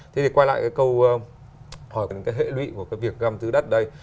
thế thì quay lại câu hỏi về hệ lụy của việc găm dưới đất đây